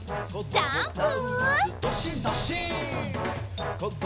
ジャンプ！